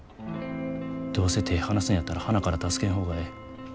どうせ手ぇ離すんやったらはなから助けん方がええ。